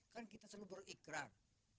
kan kita selalu berikran